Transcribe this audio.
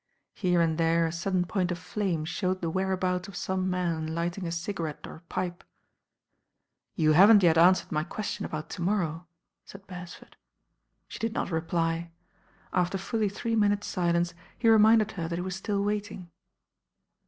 Here and there a sudden point of flame showed the whereabouts of some man lighting a cigarette or pipe. J ! p M «10 THE RAIN GIRL "You haven't yet answered my question about to morrow," said Beresford. She did not reply. After fully three minutes' si lence he reminded her that he was still waiting.